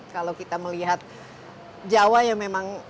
kalau kita melihat jawa ya memang